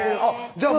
じゃあ